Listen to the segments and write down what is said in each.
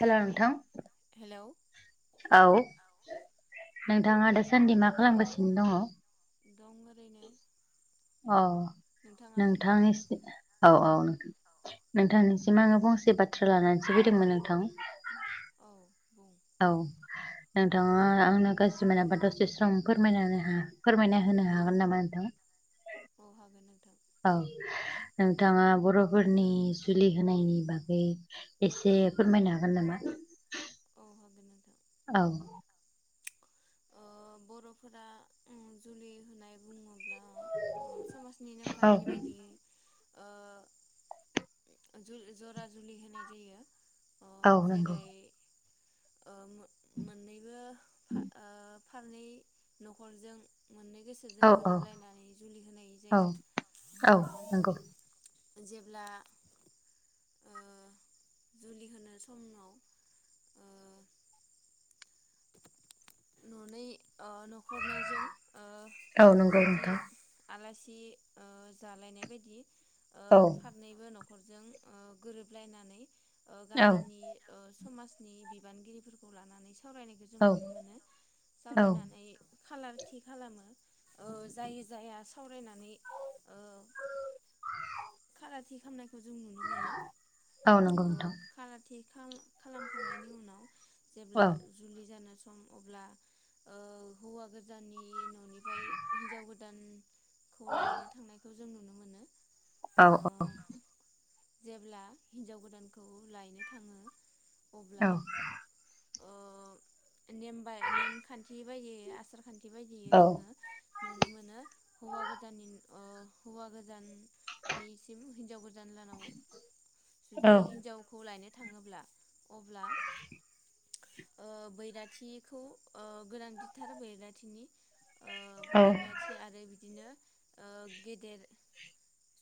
हेल' नोंथां हेलौ औ औ नोंथाङा दासान्दि मा खालामगासिनो दङ'? दं ओरैनो ओस अ नोंथाङालाय नोंथांनिसि औ औ नोथां नोंथांनिसिम आङो फंसे बाथ्रा लानानैसो फैदोंमोन नोंथां [unintelligible] औ बुं औ नोंथाङा आ आंनो गाज्रि मोनाबा दसे सम फोरमायना होनो हा फोरमायना होनो हागोन नामा नोंथां? औ हागोन नोंथां। औ नोंथाङा बर'फोरनि जुलि होनायनि बागै एसे फोरमायनो हागोन नामा? औ हागोन नोंथां। औ ओ बर'फोरा उम जुलि होनाय बुङो दा ओ समाजनि औ नेमखान्थि बायदि ओ ओ जुलि जरा जुलि होनाय जायो। अ जेरै ओ उम मोननैबो फा उम [unintelligible] ओ फारनै न'खरजों मोननै गोसोजों औ औ गोरोबलायनानै जुलि होनाय औ जायो औ ओ औ जेब्ला ओ जुलि होनो समाव ओ न'नैै ओ न'खरनैजों ओ औ नंगौ बिदि नोंथां आलासि बिदि ओ जालायनाय बायदि ओ औ फारनैबो न'ख नखरजों ओ गोरोबलायनानै ओ औ गामिनि ओ स समाजनि बिबानगिरिफोरखौ लानानै सावरायनायखौ जों औ नुनो मोनो औ सावरायनानै खालार थि खालामो ओ जायो जाया सावरायनानै ओ खालार थि खामनाय खौ जों नुनो मोनो औ नंगौ ओ नोंथां खालारथि खालामखांनायनि उनाव औ जेब्ला जुलि जानो सम अब्ला ओ हौवा गोजाननि न'निफ्राय हिनजाव गोदान खौ लायनो थांनायखौ जों नुनो मोनो। औ ओ औ। जेब्ला हिनजाव गोदानखौ लायनो थाङो औ अब्ला ओ नेम बा नेमखान्थि बादि आसार खान्थि खान्थि औ बायदियै जोङो नुनो मोनो हौवा गोदाननि ओ हौवा गोदाननिसिम हिनजाव गोदान गोदान लानाव औ जुदि हिनजावखौ लायनो थाङोब्ला अब्ला ओ बैराथिखौ ओ गोनांथिथार बैराथिनि ओ औ बैराथि आरो बिदिनो ओ गेदेर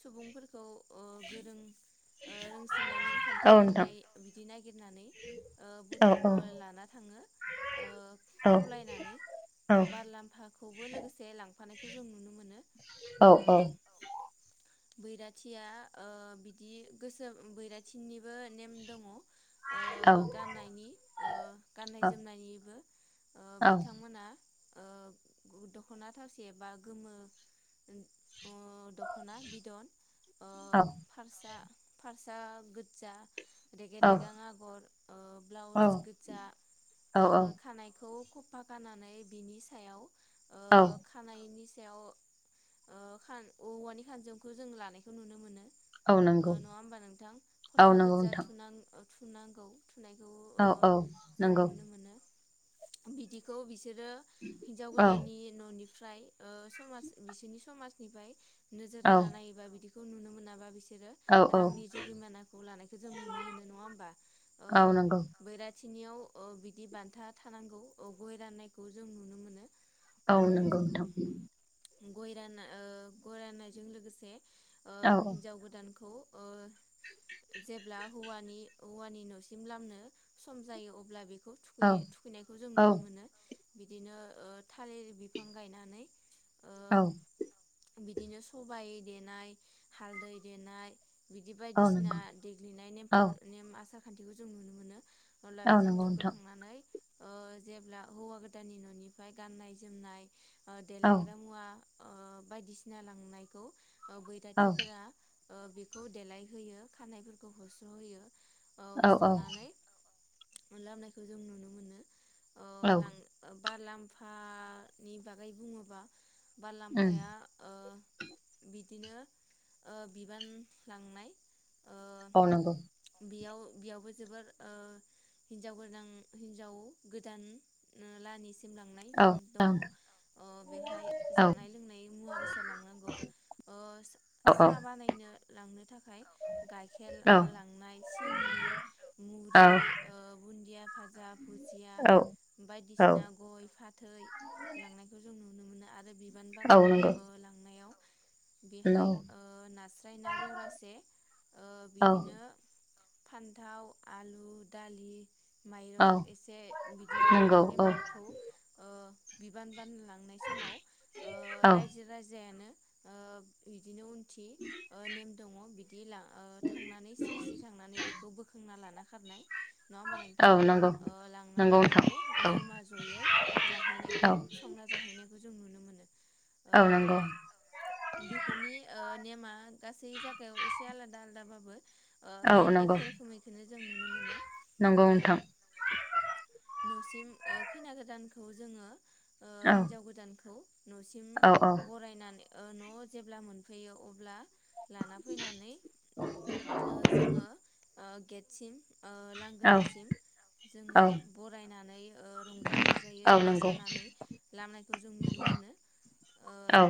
सुबुंफोरखौ ओ गोरों ओ रोंसिननाय औ नेमखान्थि नोंथां रोंनाय बिदि नागिरनानै ओ औ बुथुम औ लाना थाङो ओ औ खावलायनानै ओ बार लाम्फाखौबो लोगोसे लांफानायखौ जों नुनो मोनो औ ओ बैराथिया ओ बिदि गोसो बैराथिनिबो नेम दङ। ओ गाननायनि ओ गाननाय जोमनायनिबो ओ बिथांमोना ओ दख'ना थावसि बा गोमो ओ दख'ना बिदन ओ फारसा फारसा गोजा रेगे रेगां आगर ओ ब्लाउस गोजा औ ओ खानायखौ खफा खानानै बिनि सायाव ओ औ खानायनि सायाव ओ खा औवानि [inaudible] जों लानायखौ नुनो मोनो। औ अ नंगौ नङा होमबा नोंथां औ फथा नंगौ गोजा नोंथां थुनां थुनांगौ। थुनायखौ औ अ औ जों नंगौ नुनो मोनो। बिदिखौ [unintelligible] बिसोरो हिनजाव औ गोदाननि न'निफ्राय फ्राय उह समाज बिसोरनि समाजनिफ्राय नोजोर औ होना नायोबा बिदि खौ नुनो मोनाबा बिसोर औ बिसोरो औ रांनि जुरिमानाखौ लानायखौ जों नुनो मोनो नङा हबा ओ औ नंगौ बैरा [unintelligible] बिदि बान्था थानांगौ औ गय राननायखौ जों नुनो मोनो। औ उम नंगौ नोंथां। गय रानो ओ। गय राननायजों लोगोसे औ हिन्जाव गोदानखौ ओ जेब्ला हौवानि हौवानि न'सिम लामनो सम जायो अब्ला बेखौ बेखौ औ थुखैयो थुखैनायखौ जों औ नुनो मोनो। बिदिनो थालिर बिफां गायनानै ओ औ। बिदिनो सबाय देनाय हालदै देनाय बिदि औ बायदिसिना नंगौ देग्लिनाय औ नेमफोर नेम आसार खान्थिखौ जों नुनो मोनो अला औ बेजों नंगौ नोंथां थुखैखांनानै ओ जेब्ला हौवा गोदाननि न'निफ्राय गाननाय जोमनाय औ देलग्रा मुवा ओ बायदिसिना लांनायखौ। बैराथिफोरा बेखौ देलायहोयो खानायफोरखौ होस्र'होयो। औ सुनानै। मोनलाबनायखौ जों नुनो मोनो। औ। बारलांम्फानि बागै बुङोबा उम बारलाम्फाया ओ बिदिनो बिबान लांनाय ओ औ नोंगौ बेयाव बेयावबो जोबोर ओ हिनजाव गोदां हिनजाव गोदान लानि दोनलांनाय औ नेम दङ ओ बेहाय जानाय लोंनाय मुवा फैसा लांनांगौ ओ औ सा औ बानायनो लांनो थाखाय थाखाइ गाइखेर औ लांनाय सिनि औ मुरि ओ बुन्दिया भाजा भुजिया औ बायदिसिना औ गय फाथै लांनायखौ जों नुनो मोनो आरो बि औ नोंगौ बेहाय ओ नास्राय ना जरासे ओ औ बिदिनो फान्थाव आलु दालि माइरं औ एसे बिदि नंगौ लांनानै औ नेमखौ ओ बिबान बिबान लांनाय समाव ओ औ राजायानो ओ बिदिनो ओ‌ नेम दङ बि दिला ओ‌ थांनानै स्रि स्रि थांनानै बेखौ बोखांना लाना खारनाय नङा होमबा औ नोंथां नंगौ ओ लांनानै नंगौ बेखौ नोंथां जमा जयै औ जाहैनायखौ संना जाहैनायखौ जों नुनो मोनो ओ औ नंगौ बेफोरनि ओ नेमा गासै जागायाव एसे आलादा आलादाबाबो ओ औ बे नंगौ एखे रोखोमैखौनो जों नुनो मोनो नंगौ ओ नोंथां न'सिम ओ खैना गोदानखौ जोङो ओ औ हिनजाव गोदानखौ नसिम औ औ फरायनानै ओ न'आव जेब्ला मोनफैयो अब्ला लाना फैनानै ओ जोङो ओ गेटसिम ओ औ लांगोनासिम जोङो औ बरायनानै ओ रंजा औ बाजायै नंगौ मोसानानै लाबनायखौ जों नुनो मोनो औ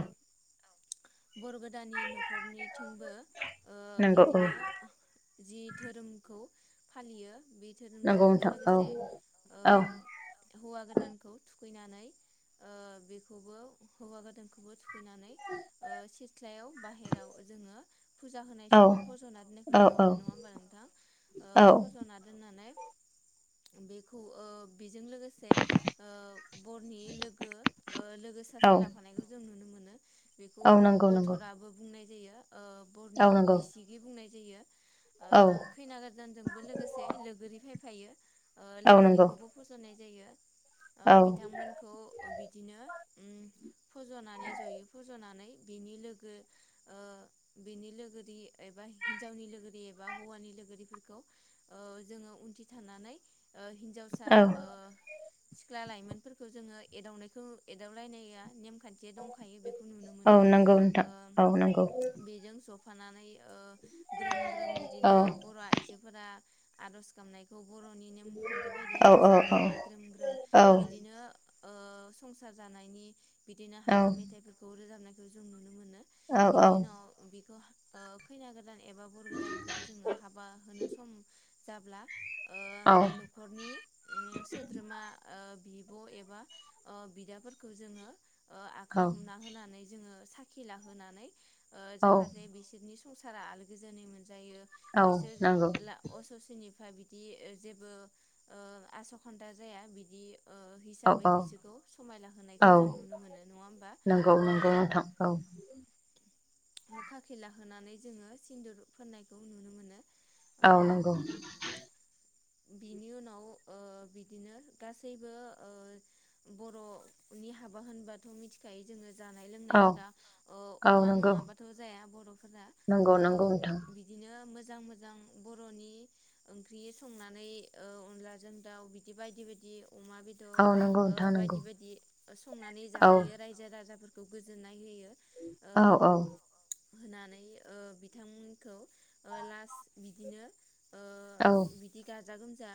बर गोदानि न'खरनिथिंबो ओ नंगौ औ बिदिनो जि धोरोमखौ फालियो बे नंगौ धोरोमजोंनो नोंथां लोगोसे औ ओ औ हौवा गोदानखौ थु थुखैनानै ओ बेखौबो हौवा गोदानखोबो थु खैनानै ओ सिथ्लायाव बाहेराव जोङो फुजा होनाय समाव फज'ना दोननायखौ नुनो मोनो। नङा होमबा नोंथां? ओ औ औ फज'ना दोननानै बेखौ ओ बेजों लोगोसे ओ बरनि लोगो ओ लोगो सासे ला औ जों नुनो मोनो। बेखौ औ ओ नंगौ बरध'राबो बुंनाय जायो। ओ औ बरनि नंगौ बिसिगि बुंनाय जायो। ओ औ खैना गोदानजोंबो लोगोसे लोगोरि फाय फायो। ओ औ नंगौ लोगोरिखौबो फज'नाय जायो। ओ औ बिथांमोनखौ ओ बिदिनो उम फज'नानै ज'यै फज'नानै बिनि लोगो ओ बिनि लोगोरि एबा हिन्जावनि लोगोरि एबा हौवानि लोगोरिफोरखौ ओ जोङो उनथिं थानानै ओ हिन्जावसा औ ओ सिख्ला लाइमोनफोरखौ जोङो एदावनायखौ एदावलायनाया नेम खान्थिया दंखायो बेखौ नुनो औ मोनो। नंगौ नोंथां ओ औ नंगौ बेजों ज' फानानै ओ ग्रोम ग्रोम औ बिदिनो बर' आइजो फोरा आर'ज गाबनायखौ बर'नि नेमखान्थि बायदि औ आरज औ गाबनानै ग्रोम ग्रोम औ औ बिदिनो ओ संसार जानायनि बिदिनो औ हाबा मेथाइफोरखौ रोजाबनाय खौ जों नुनो मोनो। बिनि उनाव बिखौ ओ खैना गो दान एबा बर गोदानखौ जोङो हाबा होनो सम जाब्ला ओ औ न'खरनि ओम सोद्रोमा ओ बि बिब' एबा ओ बिदाफोरखौ जोङो ओ औ आखाइ हमना होनानै जोङो साख्रि लाहोनानै ओ औ जाहाथे बिसोरनि संसारा आलो गोजोनै मोन। जायो औ बिसोर नंगौ ला अससेनि बा बिदि जेबो आसखान्दा जाया बिदि ओ औ हिसाबै औ बिसोरखौ समायना औ होनायखौ जों नुनो मोनो। होमबा नंगौ ओ नंगौ नोंथां औ खाखिला होनानै जोङो सिन्दुर फोननायखौ नुनो मोनो। ओ औ नंगौ बिनि उनाव ओ बिदिनो गासैबो ओ बर'नि हाबा होनबा मिथिखायो जोङो जानाय औ लोंनायफोरा ओ औ अमा नंगौ नङाबाथ' जाया बर'फोरा नंगौ ओ नंगौ नोंथां बिदिनो मो जां मोजां बर'नि ओंख्रि संनानै ओ अनलाजों दाउ बिदि बायदि बायदि। अमा औ बेदर नंगौ नोंथां नंगौ बायदि बायदि संनानै औ जाहो रायजो राजाफोरखौ गोजोननाय होयो। ओ औ औ। होनानै ओ बिथांमोनखौ ओ लास्ट बिदिनो औ। जा गोमजा।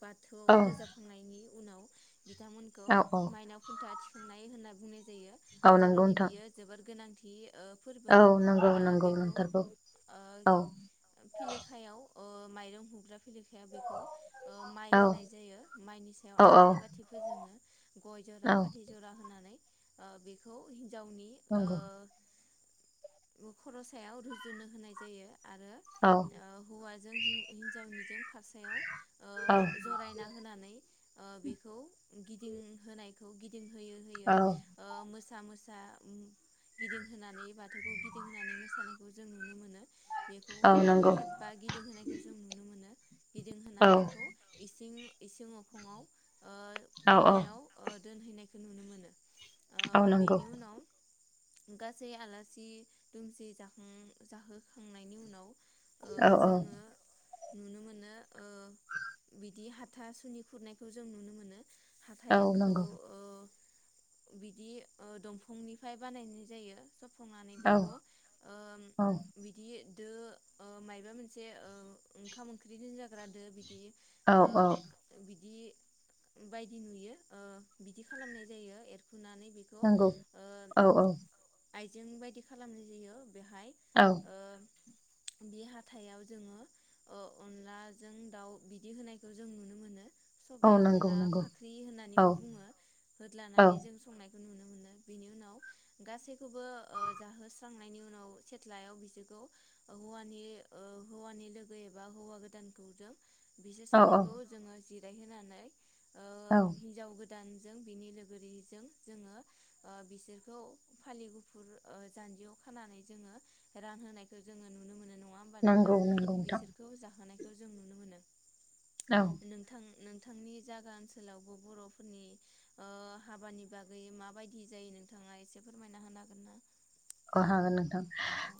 बाथौआव औ रोजाबखांनायनि उनाव। बिथांमोनखौ औ मायनाव खुन्था थिखां फ्राय होना बुंनाय जायो। औ नंगौ बर'नि नोंथां बियो जोबोर गोनां थि। ओ फोरबो औ नंगौ ओ नंगौ बेखौ नंथारगौ ओ औ फिलेखायाव ओ माइरं हुग्रा फुलेखाया बेखौ ओ माइ औ होनाय जायो माइनि सायाव औ औ आलारि बाथि फोजोङो। गय जरा औ फाथै होनानै ओ बेखौ हि नजावनि नंगौ ओ खर'साया रुजुनो होनाय जायो। आरो औ ओ हौवाजों हि हिन्जावनिजों औ फास्रायाव। जरायना होनानै बेखौ गिदिंहोनायखौ। औ। मोसा मोसा गिदिंहोनानै बाथौखौ गिदिंहोनानै मोसानायखौ जों नुनो मोनो। बेखौ औ नंगौ खेबबा गिदिंहोनायखौ जों नुनो मोनो। गिदिंहोना औ बिखौ इसिं इसिं अखंङाव। औ औ। दोनहैनाय। बेखौ नुनो मोनो। आ नंगौ बेनि उनाव। गासै आलासि दुमसि जाखां जाहोखांनायनि उनाव। ओ औ जोङो औ नुनो मोनो ओ बिदि हाथा सुनि खुरनायखौ जों नुनो मोनो। औ हाथाइखौ नंगौ ओ बिदि ओ दंफांनिफ्राय बानायनाय जायो। सफंनानै औ बेखौ ओ औ बिदि दो ओ मायबा मोनसे ओ ओंखाम ओंख्रि दोनजाग्रा दो बि दि ओ औ औ बिदि बायदि नुयो ओ बिदि खालामनाय जायो एर फुनानै बेखौ नंगौ ओ औ औ आइजें बायदि खालामनाय जायो। बेहाय औ ओ बे हाथाइयाव जोङो अ अनलाजों दाउ बिदि होनायखौ जों नुनो मोनो। औ सबाय नंगौ अनला नंगौ फाख्रि औ होननानैबो बुङो। औ लानानै जों संनाय नुनो मोनो बिनि उनाव गासैखौबो ओ जाहोस्रांनायनि उनाव सेथ्लायाव बिसोरखौ हौवानि हौवानि लोगो एबा हौवा गोदानखौ जों बिसोर औ औ सानैखौ जोङो जि राय होनानै औ दान जों बिनि लोगोरिजों जोङो ओ बिसोरखौ फालि गुफुर ओ जानजियाव खानानै जोङो रान होनायखौ जोङो नुनो मोनो न ङा होनबा नोंथां नंगौ नंगौ नोंथां बिसोरखौ जाहोनाय खौ जों नुनो मोनो। औ नोंथां नों थांनि जागा ओनसोलावबो बर'फोरनि ओ हाबानि बागै माबायदि जायो नोंथाङा एसे फोरमायना होनो हागोन ना? अ हागोन नोंथां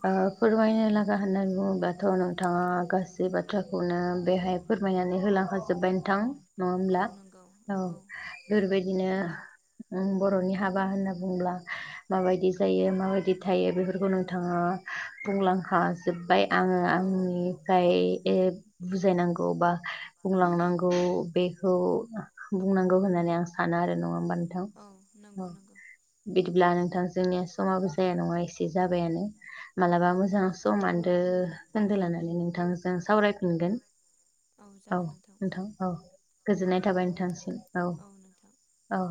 औ ओ फोरमायनो लागा होननानै बुङोबाथ' नोंथाङा गासै बाथ्राखौनो बेहाय फोरमायनानै होलांखाजोबबाय नोंथां नङा औ नंगौ होनब्ला नंगौ औ [unintelligible] बिदिनो ओं बर'नि हाबा होनना बुंब्ला माबायदि जायो माबायदि थायो बेफोरखौ नोंथाङा बुंलां खाजोब बाय आङो औ आंनिफ्राय ए बुजायनांगौ बा बुंलांनांगौ बेखौ बुंनांगौ होननानै आं साना आरो नङा होनबा औ नंगौ नंगौ बिदिब्ला नोंथां जोंनिया समाबो जाया नङा एसे जाबायानो मालाबा औ मोजां समान रो खोन्दो लानानै नोंथांजों सावरायफिनगोन औ नोंथां औ गोजोननाय थाबाय औ नोंथांसिम औ औ